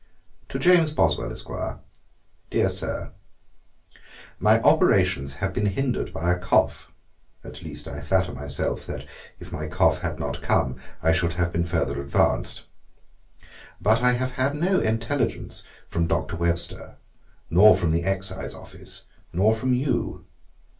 'To JAMES BOSWELL, ESQ. 'DEAR SIR, 'My operations have been hindered by a cough; at least I flatter myself, that if my cough had not come, I should have been further advanced. But I have had no intelligence from Dr. W , [Webster,] nor from the Excise office, nor from you.